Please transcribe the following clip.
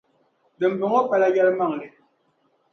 Dimbɔŋɔ pala yɛlimaŋli.